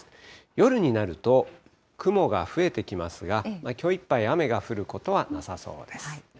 夜になると、雲が増えてきますが、きょういっぱい、雨が降ることはなさそうです。